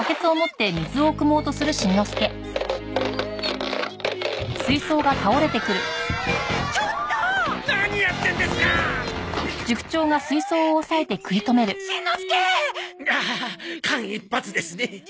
ああ間一髪ですね。